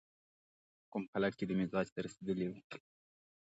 کوم خلک چې دې معراج ته رسېدلي وي.